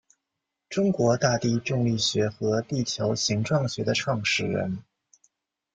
中国大地重力学和地球形状学的创始人。